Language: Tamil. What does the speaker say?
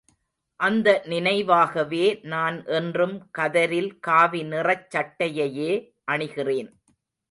அந்தநினைவாகவே நான் என்றும் கதரில் காவி நிறச் சட்டையையே அணிகிறேன்.